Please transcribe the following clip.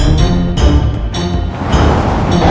kamu akan ketik itu